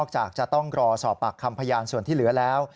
จากจะต้องรอสอบปากคำพยานส่วนที่เหลือแล้ว